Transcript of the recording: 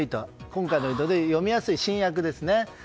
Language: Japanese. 今回のように読みやすい新訳ですね。